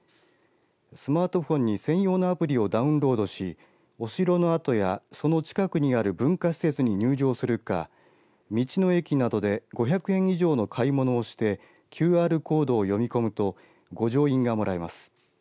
スマートフォンに専用のアプリをダウンロードしお城の跡やその近くにある文化施設に入場するか道の駅などで５００円以上の買い物をしてＱＲコードを読み込むと御城印がもらえます。